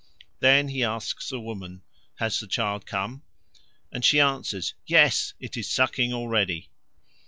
Then he asks the woman, "Has the child come?" and she answers, "Yes, it is sucking already."